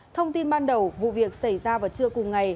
thông tin ban đầu vụ việc xảy ra vào trưa cùng ngày